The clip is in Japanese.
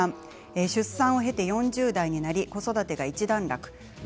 出産を経て４０代になり子育てが一段落。